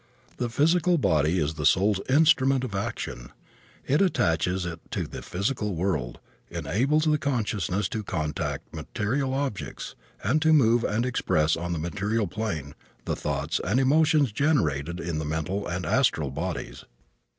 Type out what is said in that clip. The physical body is the soul's instrument of action. It attaches it to the physical world, enables the consciousness to contact material objects and to move and express on the material plane the thoughts and emotions generated in the mental and astral bodies.